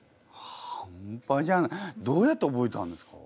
半端じゃないどうやって覚えたんですか？